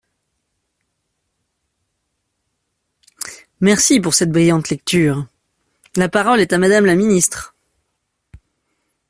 Merci pour cette brillante lecture ! La parole est à Madame la ministre.